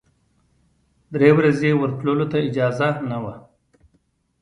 درې ورځې ورتللو ته اجازه نه وه.